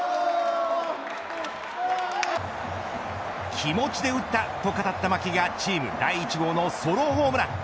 気持ちで打ったと語った牧がチーム第１号のソロホームラン。